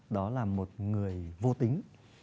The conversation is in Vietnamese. đó là một người vô tính